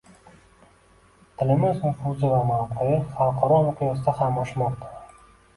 Tilimiz nufuzi va mavqei xalqaro miqyosda ham oshmoqda